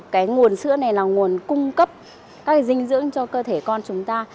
cái nguồn sữa này là nguồn cung cấp các dinh dưỡng cho cơ thể con chúng ta